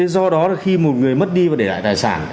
do đó là khi một người mất đi và để lại tài sản